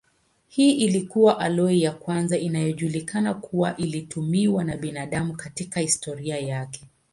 Hii ilikuwa aloi ya kwanza inayojulikana kuwa ilitumiwa na binadamu katika historia yake.